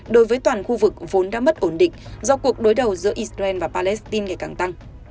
đối với toàn khu vực vốn đã mất ổn định do cuộc đối đầu giữa israel và palestine ngày càng tăng